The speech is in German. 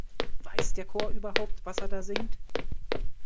Weiß der Chor überhaupt, was er da singt?